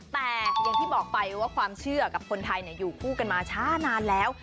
แต่อย่างที่บอกไปว่าความเชื่อกับคนไทยอยู่คู่กันมาช้านานแล้ว